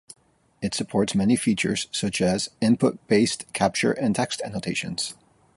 It supports many features such as input-based capture and text annotations.